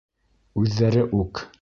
Үҙҙәре үк